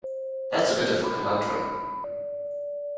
That's a bit of a conundrum!